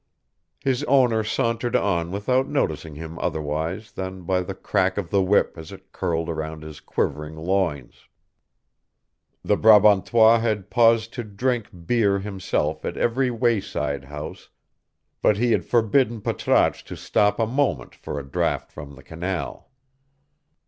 His owner sauntered on without noticing him otherwise than by the crack of the whip as it curled round his quivering loins. The Brabantois had paused to drink beer himself at every wayside house, but he had forbidden Patrasche to stop a moment for a draught from the canal.